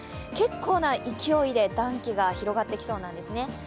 結構な勢いで暖気が広がってきそうなんですね。